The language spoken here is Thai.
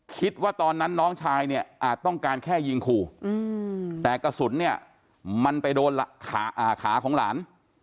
คิดว่าตอนนั้นน้องชายเนี่ยอาจต้องการแค่ยิงขู่แต่กระสุนเนี่ยมันไปโดนขาของหลาน